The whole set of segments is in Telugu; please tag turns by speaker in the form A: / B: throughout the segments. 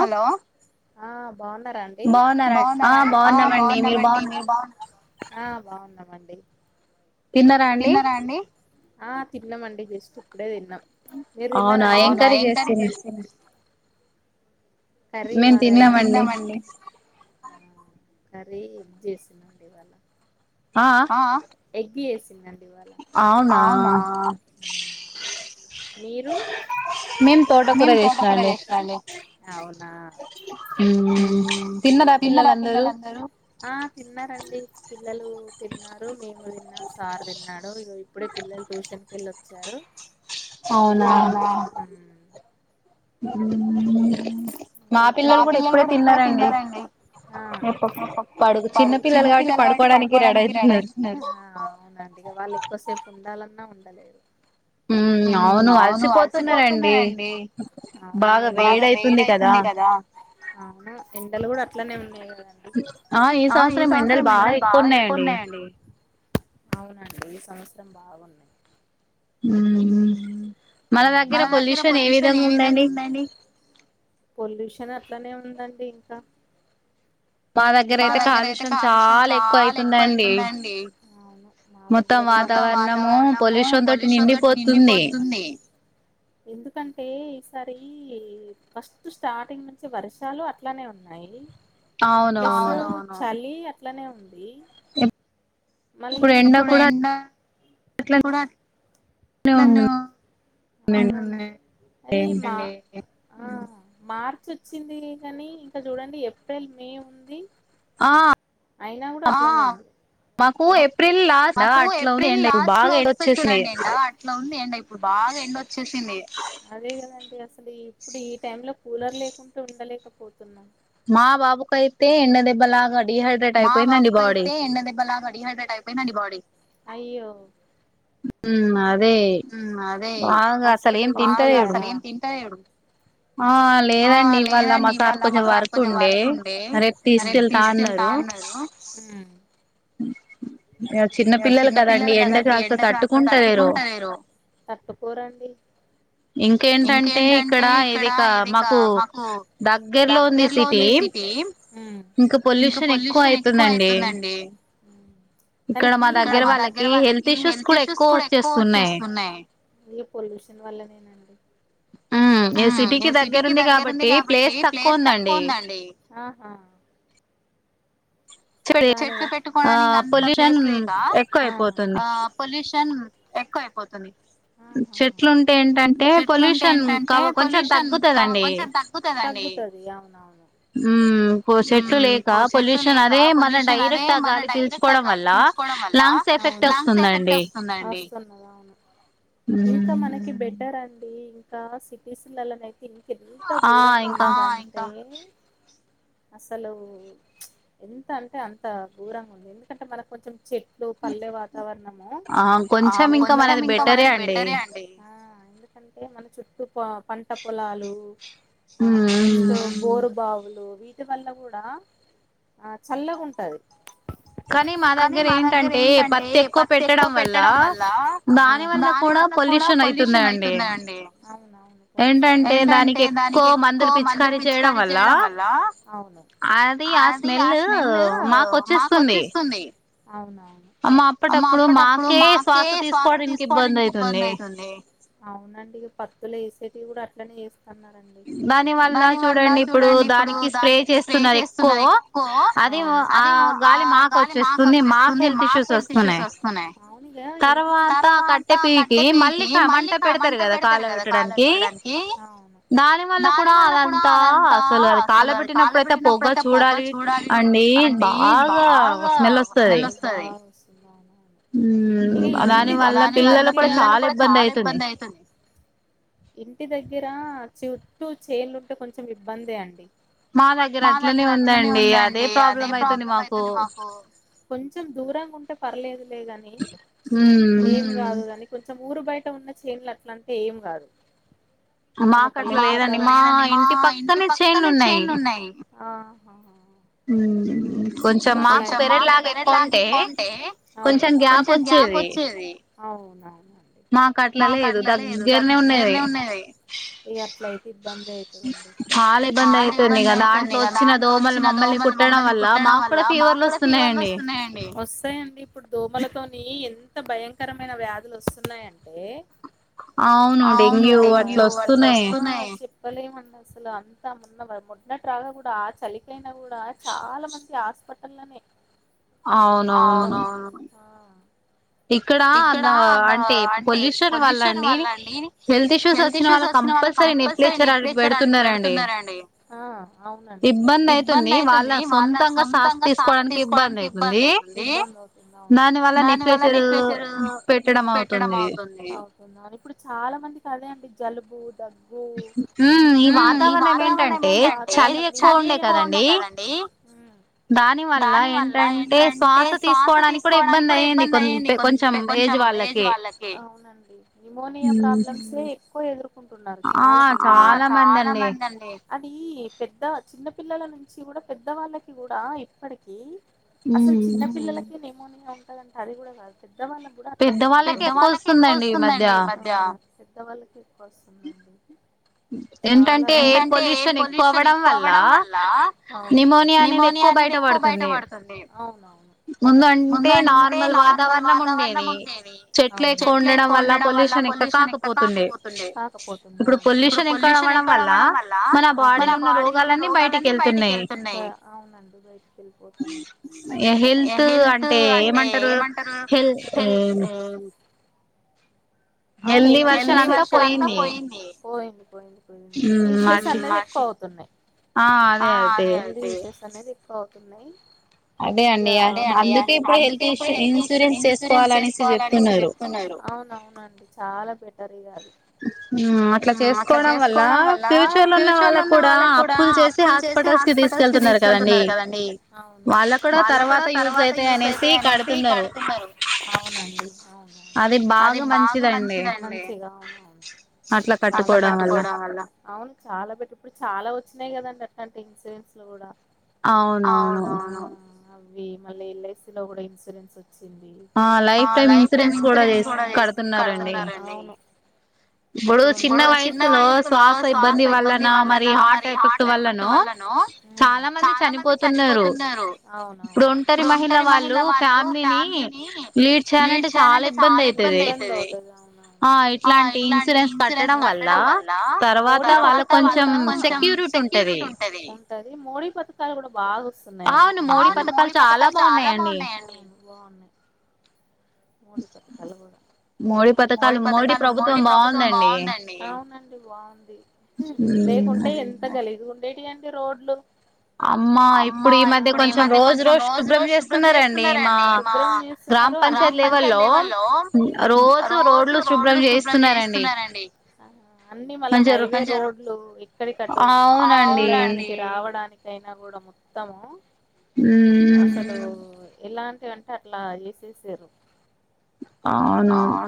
A: హలో బాగున్నారా అండి ఆ బాగున్నామండి ఇది
B: తిన్నరా అండి
A: ఆ తిన్నమండి జస్ట్ ఇప్పుడే దిన్ నం మీరు తిన్నరా అండి మేం తిన్నామండీ ఎగ్ చేసి అవునా మీరు అవునా ఊ తిన్నరా పిల్లలందరూ ఆ తిన్నారండి పిల్లలు తిన్నారు మేము తిన్నా, సార్ తిన్నాడు ఇగో ఇప్పుడే పిల్లలు ట్యూషన్ కెళ్ళొచ్చారు. అవునా మా పిల్లలు గూడా ఇప్పుడే తిన్నారండి చిన్న పిల్లలు కాబట్టి పడుకోడానికి రెడి అయితున్నరు ఇగ వాళ్ళు ఎక్కువసేపు ఉండాలన్నా ఉండలేరు ఊమ్ అవును అలసిపోతున్నారండి బాగ వేడి అయితుంది కదా ఆ ఈ సంవత్సరం ఎండలు బాగా ఎక్కువున్నాయండి అవునండి ఈ సంవత్సరం బాగున్నయ్
B: ఊహు మన దగ్గర పొల్యూషన్ ఏ విధంగ ఉన్
A: పొల్యూషన్ అట్లనే ఉందండి ఇంక మా దగ్గర అయితే కాలుష్యం చాల ఎక్కువ అయితుందండి మొత్తం వాతావరణము పొల్యూషన్ తోటి నిండిపోతుంది ఎందుకంటే సరీ ఫస్ట్ స్టార్టింగ్ నుంచి వర్షాలు అట్లానే ఉన్నాయి ప్లస్సు చలి అట్లనే ఉంది ఇప్పుడు ఎండా కుడా ఈ మా ఆ మార్చ్ ఒచ్చింది కానీ ఇంక చూడండి ఏప్రిల్ మే ఉంది
B: ఆ
A: అయినా గూడా మాకూ ఏప్రిల్ లాస్ట్ లో ఒస్త చూడండి ఎండా అట్లా ఉంది ఎండ ఇప్పుడు బా బాగ ఎండ ఒచ్చేసింది అదే గదండి అసలు ఇప్పుడు ఈ టైమ్ లో కూలర్ లేకుంట ఉండలేకపోతున్నం
B: మా బాబు కైతే ఎంబ దెబ్బలాగ
A: మా బిబు కైతే ఎండ దెబ్బ లాగా డీహైడ్రేట్ అయిపోయింది బాడి హాస్పిటల్ తీస్కెల్లారా ఆ లేదండీ ఇవాళ మా సార్ కొంచెం వర్క్ ఉండే రేప్ తీసుకెళ్ తా అన్నారు
B: ఇగ చిన్న పిల్లలు కదండి ఎండ కాస్త తట్టుకుంటలేరు
A: తట్టుకోరండి ఇంకేంటంటే ఇక్కడ ఏదిక మాకు దగ్గరలో ఉంది సిటీ ఇంకా పొల్యూషన్ఎక్కువ అవుతుందండి మనకి మా దగ్గర వాళ్ళకి హెల్త్ ఇష్యూస్ కూడా ఎక్కువ వచ్చేస్తున్నాయి ఇగ పొల్యూషన్ వల్లనే నండి ఆ ఇగ సిటీకి దగ్గరుంది కాబట్టి ప్లేస్ తక్కువ ఉందండి ఆ చెట్లు పెట్టుకోడానికి అంత ప్లేస్ లేక ఆ పొల్యూషన్ ఎక్కువైపోతుంది తాది ఆహ హు చెట్లు ఉంటే ఏంటి అంటే పొల్యూషన్ కా కొంచెం తగ్గుతుదండి ఈ తగ్గుతది అవనవును
B: ఉహు
A: హు సెట్లు లేక పొల్యూషన్ అదే మనం డైరెక్ట్ ఆగాలి పిలుచుకోవడం వల్ల లంగ్స్ ఎఫెక్ట్ వస్తుందండి అవును ఇంకా మనకి బెటర్ అండి ఇంకా సిటీస్ లాల్ల నాయితే ఇంకా ఎంత ఘోరంగా ఉంటాయి అంటే అసలు ఎంత అంటే అంత ఘోరంగా ఉంది ఎందుకంటే మనకు కొంచెం చెట్ ఇప్పుడు పల్లె వాతావరణము ఆ కొంచెం ఇంకా మనది బెట సరే అండి ఆ ఎందుకంటే మన చుట్టూ పంట పొలాలు ఆ నెక్స్ట్ బోరు బావు ఇప్పుడు వీటి వల్ల కూడా ఆ చల్లగా ఉంటది కానీ మా దగ్గర ఏంటంటే పత్తి ఎక్కువ పెట్టడం వల్ల హు దాని వల్ల కూడా పొల్యూషన్ అయితున్నయండి ఇంటి అంటే దానికి ఎక్కువ మందులు పిచికారి చేయడం వల్ల అవును అది ఆ స్మెల్ మాకు వచ్చేస్తుంది అవునవును అమ్మ అప్పుడప్పుడు మాకే శ్వాస తీసుకోవడానికి ఇబ్బంది అయితాంది అవునండి పత్తులు వేసేటివి కూడా అట్లనే దాని వల్ల చూడండి ఇప్పుడు దానికి స్ప్రే చేస్తున్నారు ఎక్కువ అవును అది ఆ గాలి మాకు వచ్చేస్తుంది మాకు హెల్త్ ఇష్యూస్ వస్తున్నాయి తర్వాత కట్టె పికి మళ్ళీ మంట పెడతారు కదా కాల పెట్టడానికి దాని వల్ల కూడా అదంతా అసలు అది కాలా పెట్టినప్పుడుయితే పొగ చూడాలి అండి బాగా స్మెల్ వస్తది మీ ఇంటి దగ్గర అలానే వాళ్ల పిల్లల కూడా చాలా ఇబ్బంది అయితుంది ఇంటి దగ్గర చుట్టూ చేనులుంటే కొంచెం ఇబ్బందే అండి మా దగ్గర అట్లనే ఉందండి అదే ప్రాబ్లం అయితుంది మాకు కొంచెం దూరంగా ఉంటే పర్లేదు లేగాని ఏం కాదు కాని కొంచెం ఊరు బయట ఉన్న చేనులు అట్లంటే ఏం కాదు మన పల్లె వాతావరణం మాకు అట్లా లేదండి మా ఇంటి పక్కనే చైన్లు ఉన్నాయి హు కొంచెం మాకు పెరలాగా ఎక్కువ ఉంటే కొంచెం గ్యాప్ వచ్చేది అవున మాకు అట్లా లేదు దగ్గరనే ఉన్నాది ఇగ అట్ల అయితే ఇబ్బంది అయితది చాలా ఇబ్బంది అవుతుంది ఇగ దాంట్లో వచ్చిన దోమలు మమ్మల్ని కుట్టడం వల్ల మాకు కూడా ఫీవర్లు వస్తున్నాయండి వస్తాయండి ఇప్పుడు దోమలతోని ఎంత భయంకరమైన వ్యాధులు వస్తున్నాయంటే అవును డెంగ్యూ అట్ల వస్తున్నాయి [unintelligible] అసలు అంతా [unintelligible] కూడా ఆ చలికి కూడా చాలా మంది హాస్పిటల్లోనే
B: అవునవును
A: ఇక్కడ అన్ అంటే పొల్యూషన్ వల్ల అండి హెల్త్ ఇష్యూస్ వచ్చినవాళ్ళకి కంపల్సరీ నెప్లైజర్ పెడుతున్నారండి అవునండి ఇబ్బ దైతుంది వాళ్ళ సొంతంగా శ్వాస తీసుకోవడానికి ఇబ్బంది అయితుంది ఇబ్బంది అవుతుందా ఫెషర్ పెట్టడం అవుతుంది అవుతుంది ఇప్పుడు చాలా మందికి అదే అండి జలుబు దగ్గు హ్మ్ ఈ వాతావరణం ఏంటంటే చలి ఎక్కువ ఉండే కదండి దాని వల్ల‌ ఏంటంటే శ్వాస తీసుకో వడానికి కూడా ఇబ్బంది అయ్యింది కొం కొంచెం ఏజ్ వాళ్ళకి అవునండి నిమోనియా ప్రాబ్లమ్సే క్కువ ఎదుర్కొంటున్నారు చాలా మంది కుడా ఆ చాలా మంది అండి అది పెద్ద చిన్నపిల్లల నుంచి కూడా పెద్ద వాళ్ళకి కూడా ఇప్పటికి అసలు చిన్న పిల్లలకే నిమోనియా ఉంటదంటే అది కూడా కాదు పె ద్ద వాళ్ళకి కూడా అట్లనే ఉంటుంది పెద్దవాళ్ళకి ఎక్కువ వస్తుందండి ఈ మధ్య పెద్దవాళ్ళకే వస్తుందండి ఏంటంటే ఎయిర్ పొల్యూషన్ ఎక్కువ అవడం వల్ల నిమో నియా అనేది ఎక్కువ బయటపడుతుంది అవునవును
B: ముందు అన్
A: ముందు అంటే నార్మల్ వాతావరణం ఉండేవి చెట్లు ఎక్కువ ఉండడం వల్ల పొల్యూషన్ ఎక్కువ కాకపోతుండే కాకపోతుండ వును ఇప్పుడు పొల్యూషన్ ఎక్కడ అవ్వడం వల్ల మన బాడీ లో ఉన్న రోగాలన్నీ బయటికి ఏళ్తున్నాయి అవునండి బయటికి ఏళ్లిపోతున్నాయ్ ఆ హెల్త్ తు అంటే ఏమంటారు హెల్ ఆ అవును హెల్త్ ఇష్యూస్ హెల్తీ వర్షం అంతా పోయింది పోయింది పోయింది ఇష్యూస్ అన్నది ఎక్కు వతున్నాయి ఆ అదే అదే హెల్త్ ఇష్యూస్ అనేది ఎక్కువ అవుతున్నాయి అదే అండి ఇగ అందుకే ఇప్పుడు హెల్త్ ఇన్సు ఇన్సూరెన్స్ చేసుకోవాలనేసి చెప్తున్నా రు అవునవునండి చాలా బెటర్ ఇగ అది హ్మ్ అట్లా చేసుకోవడం వల్ల ఫ్యూచర్ లో ఉన్న వాళ్ళకి కూడా అప్పులు చే సి హాస్పిటల్స్ ‌కి తీసుకెళుతున్నారు కదండీ వాళ్లకు కూడా తర్వాత యూస్ అవుతాయనేసి కి కడుతున్నారు అవునండి అవును
B: అది బాగా మంచిదన్
A: మంచిదండి అట్ల కట్టుకోవడం వల్ల అవును చాలా బెటర్ ఇప్పుడు చాలా వచ్చినాయి కదండి అట్లాంటి ఇన్సూరెన్స్‌లు కూడా అవునవును అవి మళ్ళీ ఎల్ఐసిలో కూడా ఇన్సూరెన్స్ చ్చింది ఆ లైఫ్ టైమ్ ఇన్సూరెన్స్ కూడా చేస్ కడుతున్నారండి ఇప్పుడు చిన్న వయసులో శ్వాస ఇబ్బంది వల్లన మరి హార్ట్ ఎఫెక్ట్ వల్లనో నో చాలా మంది చనిపోతున్నారు ఇప్పుడు ఒంటరి మహిళ వాళ్లు పా ఫ్యామిలీని లీడ్ చేయాలంటే చాలా ఇబ్బంది అయితాది
B: ఆ ఇట్లాన్
A: ఇట్లాంటి ఇన్సూరెన్స్ కట్టడం వల్ల తర్వాత వాళ్లకి కొంచం సెక్యూరిటీ ఉంటది ఈ మోడీ పథకాలు కూడా బాగా వస్తున్నాయ్ అండి అవును మోడీ పథకాలు చాలా బాగున్నాయండి బాగున్నాయి మోడీ పథకాలు కూడా మోడీ పథకాలు మోడీ ప్రభుత్వం బాగుందండి అవునండి బాగుంది లేకుంటే ఎంతగ లీజ్ గుండేటువండి రోడ్లు
B: అ అమ్మా ఇప్పుడు ఈ మధ్య కొంచెం రోజు రోజు శుభ్రం చేస్తున్నారండి మా గ్రామ ప పంచాయతీ లెవెల్లో రో జు రోడ్లు శుభ్రం చేయిస్తున్నారండి
A: అన్ని మళ్ళా హైవే రోడ్లు ఎక్కడికటు వెళ్లడానికి రావట్లే డానికైనా కూడా మొత్తము ఉమ్ అసలు ఎలాంటివి అంటే అట్లా చేసేసారు
B: అవును
A: ఆ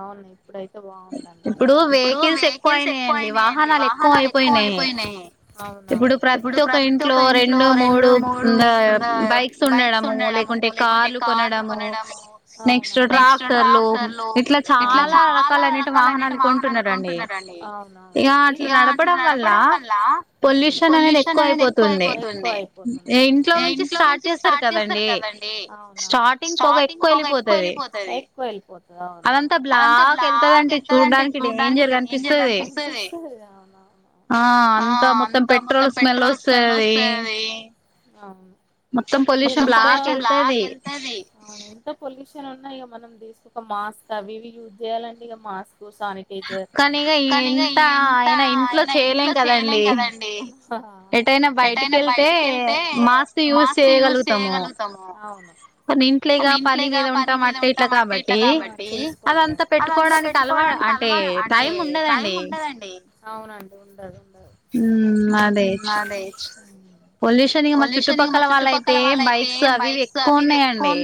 A: అవునండి అప్పుడైతే బాగుందండి అంత ఇప్పుడు వెహికల్స్ ఎక్కువ అయినాయండి వాహనాలు ఎక్కువ అయిపోయినాయి అవునవును ఇప్పుడు ప్రతి ఒక్క ఇంట్లో రెండు మూడు త్ బైక్స్ ఉండడం లేకుంటే కార్లు కొనడం నెక్స్ట్ ట్రాక్టర్లు ఇట్లా చాలా రకాలు అనేటి వాహనాలు కొంటున్నారండి ఇగా అట్లా నడపడం వల్ల పొల్యూషన్ అనేది ఎక్కువ అయిపోతుంది. ఇంట్లో నుంచి స్టార్ట్ చేస్తారు కదా అండి స్టార్టింగ్ పొగ ఎక్కువ వెళిపోతది ఎక్కువ ఎల్లిపోతాది అవునవును అదంతా బ్లాక్ ఎంతదంటే చూడ్డానికి డేంజర్ అనిపిస్తుది అవునావును
B: ఆ అంతా మొత్
A: తా మొత్తం పెట్రోల్ సేమ్ల్ వస్తుంది. మొత్తం పొల్యూషన్ బ్లాక్ ఎల్తాది. ఎంత పొల్యూషన్ ఉన్నా ఇక మనం తీసు ఒక మాస్క్ అవి ఇవి యూజ్ చేయాలండి ఇగా మాస్క్ టూ శానిటైజర్ కానీ ఎంతాయినా ఇంట్లో చేయలేం కదండి ఆ ఎటైనా బయటికి వెళ్తే మాస్ యూస్ చేయగలుగుతాము అవును అని ఇంట్లేగా పని మీద ఉంటాం అట్టే ఇట్లా కాబట్టి అదంతా పెట్టుకోడం [unintelligible] అంటే టైమ్ ఉండదండి అవునండి ఉండదు
B: ఉ అదే చ్ పొల్యూషన్ మా చుట్టుపక్కల వాళ్ళ అయితే బైక్స్ అవి ఇవి ఎక్కువ ఉన్నాయండి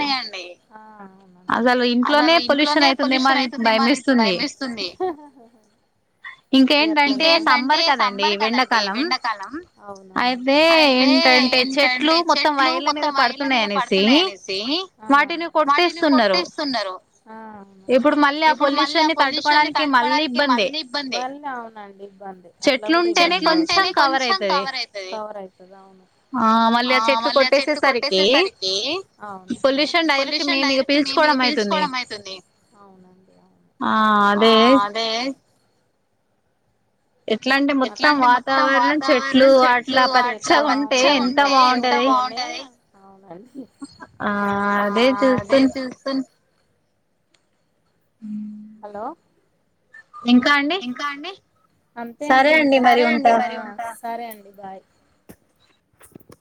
B: అసలు ఇంట్లోనే పొల్యూషన్ అవుతుందేమో అని భయమేస్తుంది.
A: ఇంకేంటంటే సమ్మర్ కాదండి ఎండాకాలం అవును అయితే ఏంటంటే చెట్లు మా ఇల్లా మీద పడుతున్నాయి అనేసి అటిని కోటేస్తునారు ఇప్పుడు మల్లి పొల్యూషన్ తట్టుకోడానికి మల్ ఇబ్బంది చెట్లుంటేనే కొంచెం కవర్ అయితది
B: ఆ మళ్ళీ ఆ చెట్లు కొట్టేసేసరికి పొల్యూషన్ డైరెక్ట్ ట్ మేము ఇగా పిలుచుకోవడం అవుతుంది ఆ అదే
A: ఎట్లాంటే మొత్తం వాతావరణం చెట్లు అట్లా పచ్చగా ఉంటే ఎంత బా బాగుంటది అ ఆ అదే చేస్తాల్
B: ఉ
A: హలో ఇంకా అండి అంతే అండి ఇంకా సరే అండి మరి ఉంటా సరే అండి బాయ్